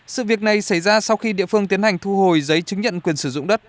sự việc này xảy ra sau khi địa phương tiến hành thu hồi giấy chứng nhận quyền sử dụng đất